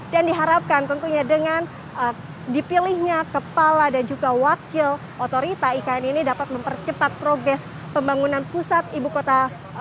dan diharapkan tentunya dengan dipilihnya kepala dan juga wakil otorita ikn ini dapat mempercepat progres pembangunan pusat ibu kota